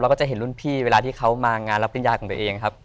ก็จะเห็นรุ่นพี่เวลาที่เขามางานรับปริญญาของตัวเองครับ